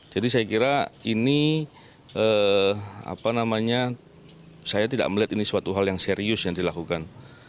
jadi saya kira ini apa namanya saya tidak melihat ini suatu hal yang serius yang dilakukan